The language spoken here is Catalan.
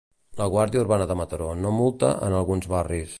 La Guàrdia Urbana de Mataró no multa en alguns barris.